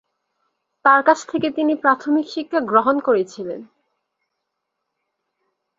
তাঁর কাছ থেকে তিনি প্রাথমিক শিক্ষা গ্রহণ করেছিলেন।